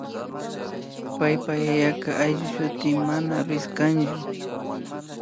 paypa yaya ayllushuti mana Ruíz kanchu